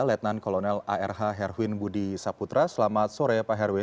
letnan kolonel arh herwin budi saputra selamat sore pak herwin